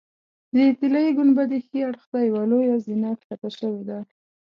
د طلایي ګنبدې ښي اړخ ته یوه لویه زینه ښکته شوې ده.